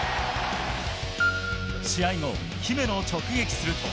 試合後、姫野を直撃すると。